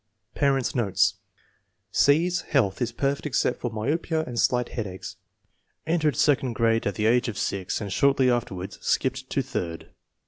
Parents 9 notes. C/s health is perfect except for myopia and slight headaches. Entered second grade at the age of 6 and shortly afterwards skipped to third.'